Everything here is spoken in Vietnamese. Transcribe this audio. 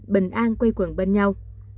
bình an quay quận bên nhau